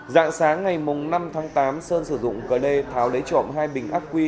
dạng sáng ngày năm tháng tám sơn sử dụng cờ đê tháo lấy trộm hai bình ác quy